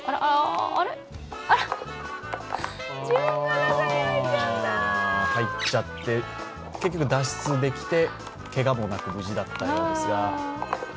あー、入っちゃって、結局、脱出できてけがもなく無事だったようですが。